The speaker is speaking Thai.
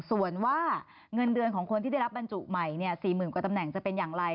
ส่วนว่าเงินเดือนของคนที่ได้รับบรรจุใหม่๔๐๐๐กว่าตำแหน่งจะเป็นอย่างไร